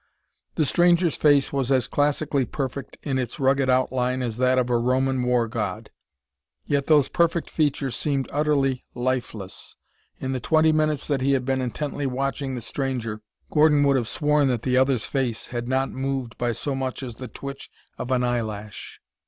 The stranger's face was as classically perfect in its rugged outline as that of a Roman war god, yet those perfect features seemed utterly lifeless. In the twenty minutes that he had been intently watching the stranger, Gordon would have sworn that the other's face had not moved by so much as the twitch of an eye lash.